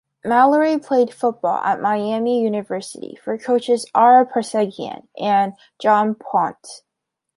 Mallory played football at Miami University for coaches Ara Parseghian and John Pont.